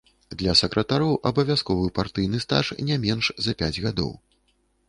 Для сакратароў абавязковы партыйны стаж не менш за пяць гадоў.